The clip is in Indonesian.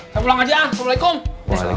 saya pulang aja assalamualaikum